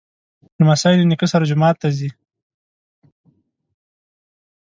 لمسی له نیکه سره جومات ته ځي.